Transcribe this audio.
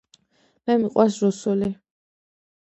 მე მიყვარს რუსული